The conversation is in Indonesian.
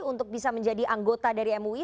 untuk bisa menjadi anggota dari mui